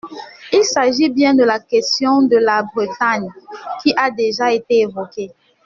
Il s’agit bien de la question de la Bretagne, qui a déjà été évoquée.